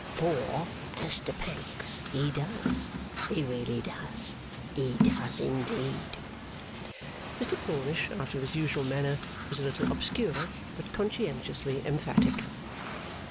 For, as to Pancks, he does, he really does, he does indeed!' Mr Plornish, after his usual manner, was a little obscure, but conscientiously emphatic.